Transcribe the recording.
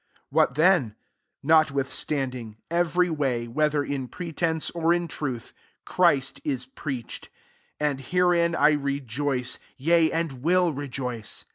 18 What then ? notwithatasd ing, every way, whether in pre tence, or in truth, Christ is preached ; and herein I rejok^ yea, and will rejoice.